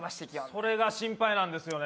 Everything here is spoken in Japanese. それが心配なんですよね